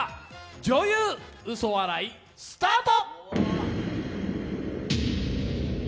女優嘘笑い、スタート。